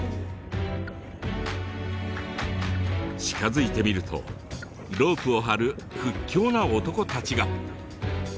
近づいてみるとロープを張る屈強な男たちが。